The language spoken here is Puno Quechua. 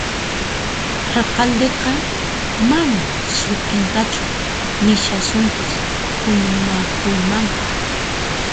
Alcaldeqa manan sut'intachu nishasunkis huñunakuymanta